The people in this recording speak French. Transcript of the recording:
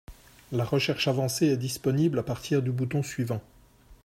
La recherche avancée est disponible à partir du bouton suivant.